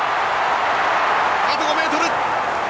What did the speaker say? あと５ｍ。